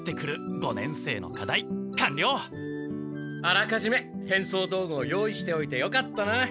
あらかじめ変装道具を用意しておいてよかったな。